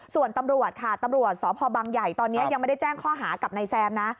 ส่วนตำรวจค่ะตำรวจสพบังใหญ่ตอนนี้ยังไม่ได้แจ้งข้อหากับนายแซมนะ